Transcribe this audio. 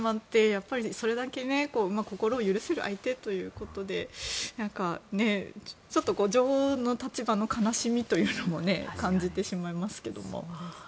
やっぱり、それだけ心を許せる相手ということでちょっと女王の立場の悲しみも感じてしまいますけれども。